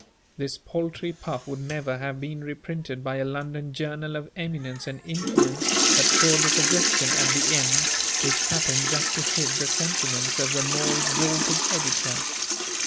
This paltry puff would never have been reprinted by a London journal of eminence and influence, but for the suggestion at the end, which happened just to hit the sentiments of the more exalted editor.